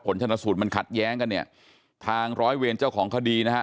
ชนสูตรมันขัดแย้งกันเนี่ยทางร้อยเวรเจ้าของคดีนะฮะ